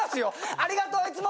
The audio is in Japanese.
「ありがとういつも！